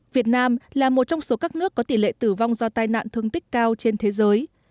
việt nam là một trong số các nước có tỷ lệ tử vong do tai nạn thương tích cao trên thế giới